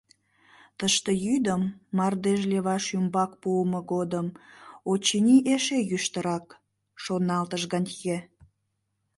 “Тыште йӱдым, мардеж леваш ӱмбак пуымо годым, очыни, эше йӱштырак“, — шоналтыш Гантье.